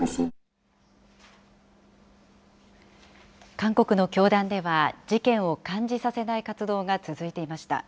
韓国の教団では、事件を感じさせない活動が続いていました。